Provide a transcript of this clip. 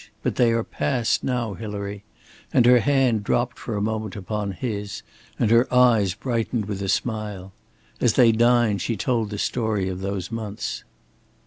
But they are past now, Hilary," and her hand dropped for a moment upon his, and her eyes brightened with a smile. As they dined she told the story of those months.